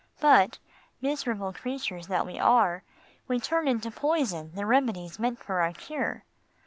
But, miserable creatures that we are, we turn into poison the remedies meant for our cure.